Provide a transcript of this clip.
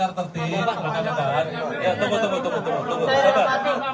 agar tertib agar tertib